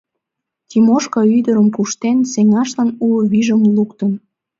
Тимошка ӱдырым куштен сеҥашлан уло вийжым луктын.